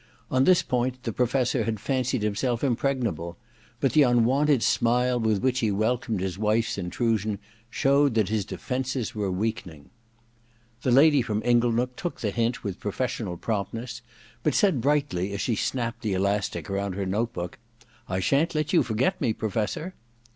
On this point the Professor had fancied himself impregnable ; but the unwonted smile with which he welcomed his wife's intrusion showed that his defences were weakening. The lady from the Inglenook took the hint with professional promptness, but said brightly, as she snapped the elastic around her note book :* I shan't let you forget me. Professor.'